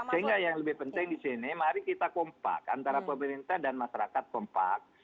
sehingga yang lebih penting di sini mari kita kompak antara pemerintah dan masyarakat kompak